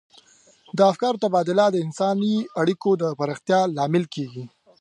د افکارو تبادله د انساني اړیکو د پراختیا لامل کیږي.